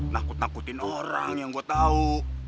nakut nakutin orang yang gue tau